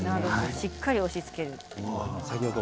しっかり押さえつける。